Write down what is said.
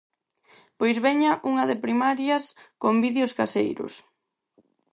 Pois veña unha de primarias con vídeos caseiros.